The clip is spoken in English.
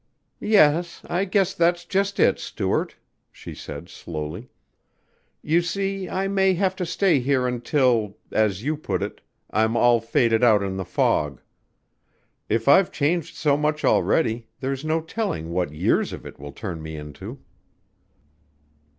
"Yes I guess that's just it, Stuart," she said slowly, "You see, I may have to stay here until, as you put it, I'm all faded out in the fog. If I've changed so much already there's no telling what years of it will turn me into."